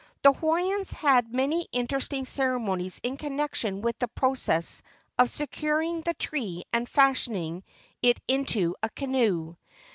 The Hawaiians had many interesting cere¬ monies in connection with the process of secur¬ ing the tree and fashioning it into a canoe.